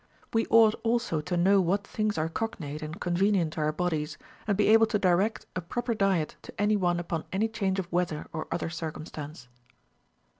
We ought also to know Avhat things are cognate and convenient to our bodies, and be able to direct a proper diet to any one upon any change of weather or other circumstance.